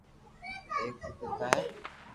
ايڪ رو پيتا ھي